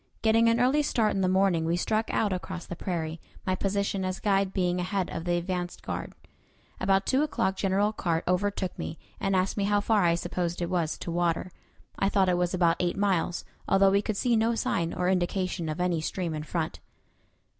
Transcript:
Getting an early start in the morning, we struck out across the prairie, my position as guide being ahead of the advance guard. About two o'clock General Carr overtook me, and asked me how far I supposed it was to water. I thought it was about eight miles, although we could see no sign or indication of any stream in front.